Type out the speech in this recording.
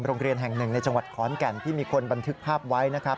โรงเรียนแห่งหนึ่งในจังหวัดขอนแก่นที่มีคนบันทึกภาพไว้นะครับ